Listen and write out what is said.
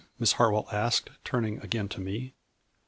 Miss Hartwell asked, turning again to me.